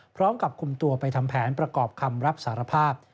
พร้อมกับคุมตัวไปทำแผนประกอบคำรับสารภาพ